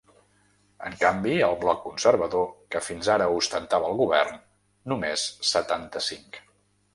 En canvi, el bloc conservador, que fins ara ostentava el govern, només setanta-cinc.